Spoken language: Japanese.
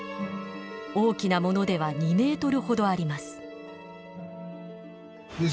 大きなものでは２ｍほどあります。